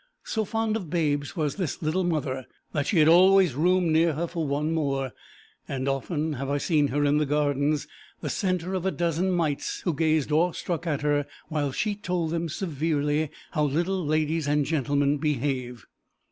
So fond of babes was this little mother that she had always room near her for one more, and often have I seen her in the Gardens, the centre of a dozen mites who gazed awestruck at her while she told them severely how little ladies and gentlemen behave.